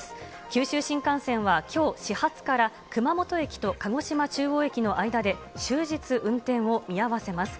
九州新幹線はきょう、始発から熊本駅と鹿児島中央駅の間で終日運転を見合わせます。